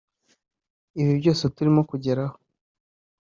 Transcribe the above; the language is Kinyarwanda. ”Ibi byose turimo kugeraho